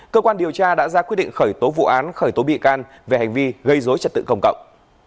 cơ quan điều tra đã ra quyết định khởi tố vụ án khởi tố bị can về hành vi gây dối trật tự công cộng